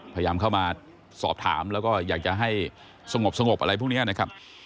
พยายามเข้ามาสอบถามแล้วก็อยากจะให้สงบอะไรพวกนี้นะครับ